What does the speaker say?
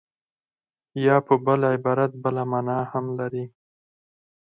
یا په بل عبارت بله مانا هم لري